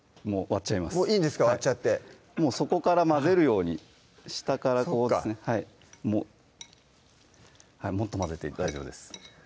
割っちゃってもう底から混ぜるように下からこうもっと混ぜて大丈夫です